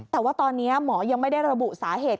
แต่ว่าตอนนี้หมอยังไม่ได้ระบุสาเหตุ